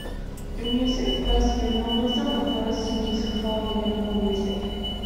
In music, "postminimalism" refers to music following minimal music.